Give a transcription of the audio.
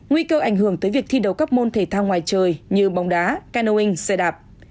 nguy cơ ảnh hưởng tới việc thi đấu các môn thể thao ngoài trời như bóng đá canoing xe đạp